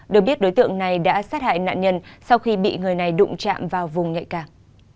được biết đối tượng này đã sát hại nạn nhân sau khi bị người này đụng chạm vào vùng nhạy cảm